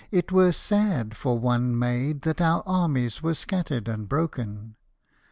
it were sad, for one maid that our armies were scattered and broken.'